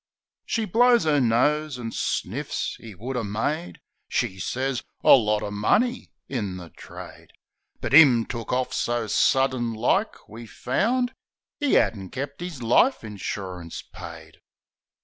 She blows 'er nose an' sniffs. " 'E would 'a' made" She sez "A lot of money in the trade. But, 'im took orf so sudden like, we found 'E 'adn't kept 'is life insurince paid.